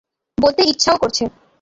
বলতে ইচ্ছাও করছে।